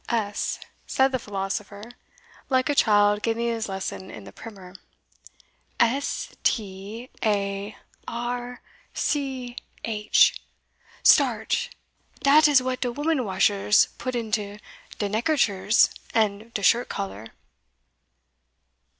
"S," said the philosopher, like a child getting his lesson in the primer "S, T, A, R, C, H, Starch! dat is what de woman washers put into de neckerchers, and de shirt collar."